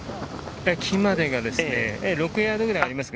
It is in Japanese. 木まで６ヤードくらいありました。